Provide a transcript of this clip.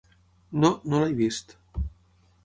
No, no l'he vist.